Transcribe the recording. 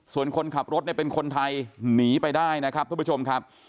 ส่วนคนขับรถเนี่ยเป็นคนไทยหนีไปได้นะครับทุกผู้ชมครับ